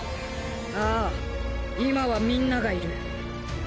あぁ今はみんながいる。